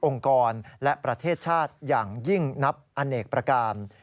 กรและประเทศชาติอย่างยิ่งนับอเนกประการ